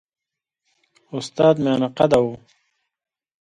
استاد میانه قده وو.